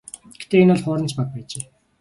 Гэхдээ энэ бол хуурамч баг байжээ.